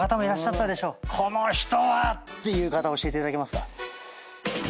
この人は！っていう方教えていただけますか？